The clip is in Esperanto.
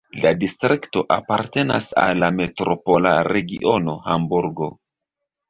La distrikto apartenas al la metropola regiono Hamburgo.